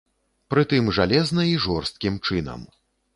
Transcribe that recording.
Прытым жалезна і жорсткім чынам.